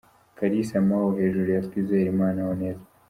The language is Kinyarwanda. Kalisa Mao hejuru ya Twizerimana Onesme.